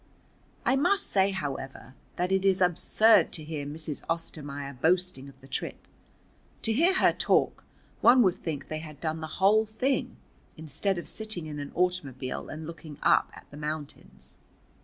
I must say, however, that it is absurd to hear Mrs. Ostermaier boasting of the trip. To hear her talk, one would think they had done the whole thing, instead of sitting in an automobile and looking up at the mountains.